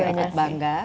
dan kita juga bangga